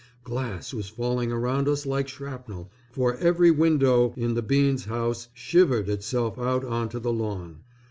Glass was falling around us like shrapnel, for every window in the Bean's house shivered itself out onto the lawn.